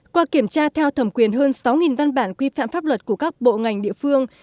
qua kiểm tra theo thẩm quyền hơn sáu văn bản quy phạm pháp luật của các bộ ngành địa phương